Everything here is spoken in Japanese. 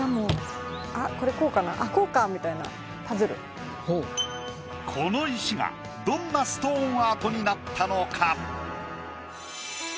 「あっこうか」みたいなこの石がどんなストーンアートになったのか？